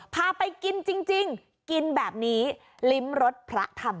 พาไปกินจริงกินแบบนี้ลิ้มรสพระธรรม